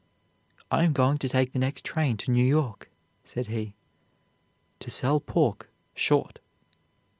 "I am going to take the next train to New York," said he, "to sell pork 'short.'